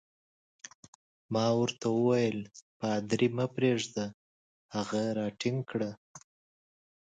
ما ورته وویل: پادري مه پرېږده، هغه راټینګ کړه.